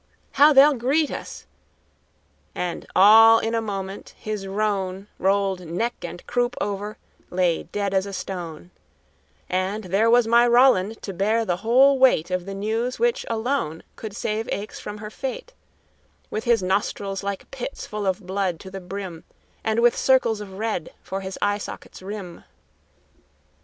"How they'll greet us!" and all in a moment his roan Rolled neck and croup over, lay dead as a stone; And there was my Roland to bear the whole weight Of the news which alone could save Aix from her fate, With his nostrils like pits full of blood to the brim, And with circles of red for his eye sockets' rim.